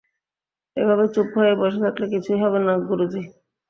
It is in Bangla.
এভাবে চুপ হয়ে বসে থাকলে কিছুই হবে না, গুরু জি।